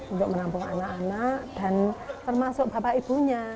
untuk menampung anak anak dan termasuk bapak ibunya